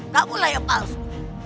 kamulah yang palsu